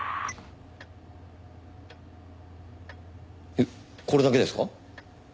えっこれだけですか？